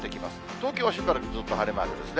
東京はしばらくずっと晴れマークですね。